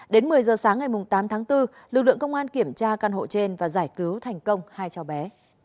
đến một mươi giờ sáng ngày tám tháng bốn lực lượng công an kiểm tra căn hộ trên và giải cứu thành công hai cháu bé